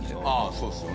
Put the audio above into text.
そうですよね。